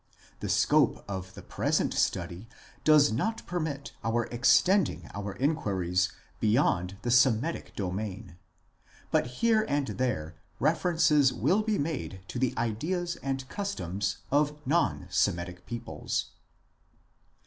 The scope of the present study does not permit of our ex tending our inquiries beyond the Semitic domain, but here and there references will be made to the ideas and customs of non Semitic peoples.